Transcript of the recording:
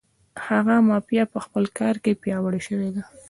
هغه مافیا په خپل کار کې پیاوړې شوې ده.